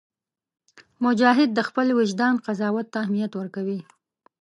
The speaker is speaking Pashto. مجاهد د خپل وجدان قضاوت ته اهمیت ورکوي.